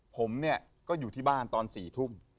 ผมเนี่ยก็อยู่ที่บ้านตอน๔ทุ่ม